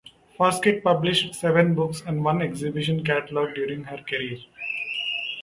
Foskett published seven books and one exhibition catalogue during her career.